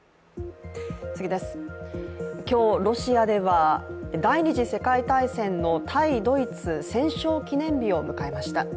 今日、ロシアでは第二次世界大戦の対ドイツ戦勝記念日を迎えました。